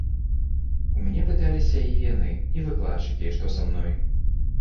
У мяне пыталіся і яны, і выкладчыкі, што са мной.